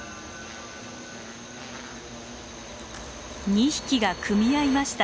２匹が組み合いました。